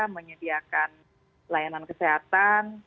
menyediakan layanan kesehatan